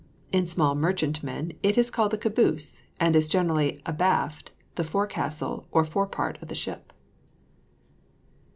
In small merchantmen it is called the caboose; and is generally abaft the forecastle or fore part of the ship.